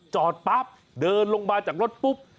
จอดปั๊บเดินลงมาจากรถปุ๊บ